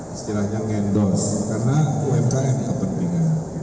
istilahnya ngendorse karena umkm kepentingan